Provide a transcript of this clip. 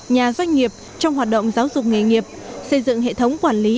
nhà doanh nghiệp trong hoạt động giáo dục nghề nghiệp xây dựng hệ thống quản lý